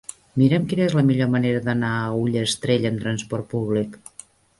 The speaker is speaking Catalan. Mira'm quina és la millor manera d'anar a Ullastrell amb trasport públic.